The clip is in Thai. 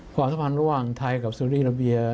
ความสัมพันธ์ระหว่างไทยกับสุริราเบีย